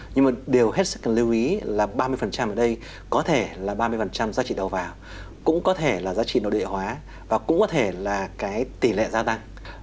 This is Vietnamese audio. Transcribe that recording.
nhưng mà điều hết sức cần lưu ý là ba mươi ở đây có thể là ba mươi giá trị đầu vào cũng có thể là giá trị nội địa hóa và cũng có thể là cái tỷ lệ gia tăng